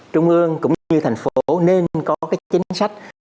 trung ương cũng như thành phố nên có cái chính sách